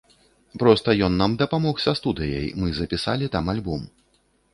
Проста ён нам дапамог са студыяй, мы запісалі там альбом.